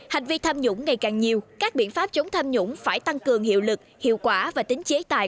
hành vi tham nhũng ngày càng nhiều các biện pháp chống tham nhũng phải tăng cường hiệu lực hiệu quả và tính chế tài